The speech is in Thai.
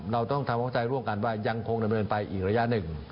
เราต้องทำข้อใจร่วมกันว่ายังคงจะมีเป็นไปอีกระยะหนึ่ง